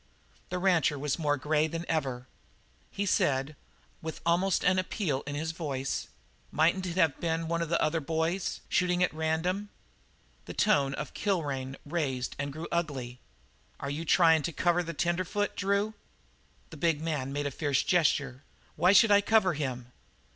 The rancher was more grey than ever. He said, with almost an appeal in his voice: "Mightn't it have been one of the other boys, shooting at random?" The tone of Kilrain raised and grew ugly. "Are you tryin' to cover the tenderfoot, Drew?" The big man made a fierce gesture. "Why should I cover him?"